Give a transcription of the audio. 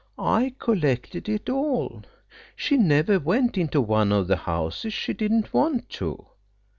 I collected it all. She never went into one of the houses. She didn't want to."